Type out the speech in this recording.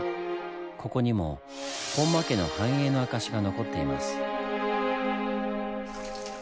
ここにも本間家の繁栄の証しが残っています。